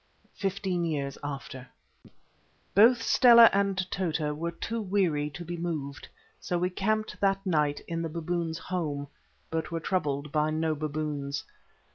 FIFTEEN YEARS AFTER Both Stella and Tota were too weary to be moved, so we camped that night in the baboons' home, but were troubled by no baboons.